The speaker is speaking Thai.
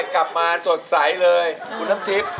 กลับมาสดใสเลยคุณท่ำทริป